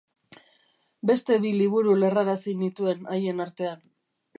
Beste bi liburu lerrarazi nituen haien artean.